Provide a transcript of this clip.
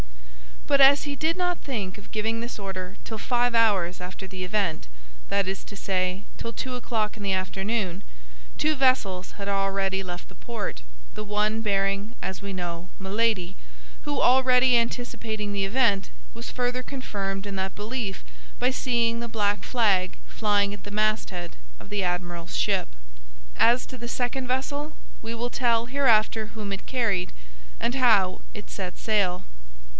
But as he did not think of giving this order till five hours after the event—that is to say, till two o'clock in the afternoon—two vessels had already left the port, the one bearing, as we know, Milady, who, already anticipating the event, was further confirmed in that belief by seeing the black flag flying at the masthead of the admiral's ship. As to the second vessel, we will tell hereafter whom it carried, and how it set sail.